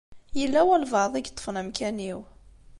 Yella walebɛaḍ i yeṭṭfen amkan-iw.